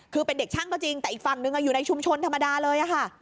คือเป็นเด็กช่างก็จริงแต่อีกฝั่งหนึ่งอยู่ในชุมชนธรรมดาเลยค่ะ